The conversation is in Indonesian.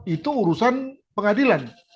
itu urusan pengadilan